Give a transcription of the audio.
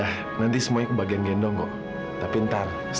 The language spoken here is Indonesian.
kenapa riz hemen lagu akan kita strains